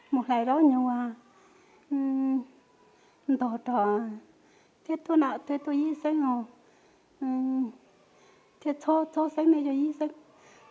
một lời đó như là thầy thuốc nào thầy thuốc y sinh thầy thuốc nào thầy thuốc y sinh